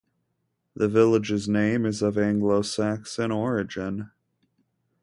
The villages name is of Anglo-Saxon origin.